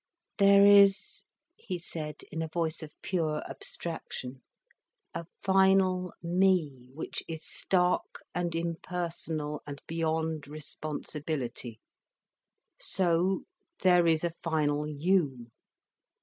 "There is," he said, in a voice of pure abstraction; "a final me which is stark and impersonal and beyond responsibility. So there is a final you.